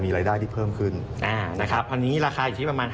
อยู่เลยในส่วนที่เรียนร่วม